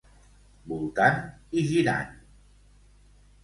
Voltant i girant...